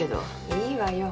いいわよ。